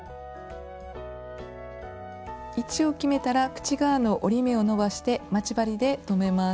位置を決めたら口側の折り目を伸ばして待ち針で留めます。